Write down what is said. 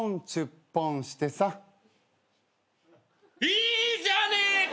いいじゃねえかよ！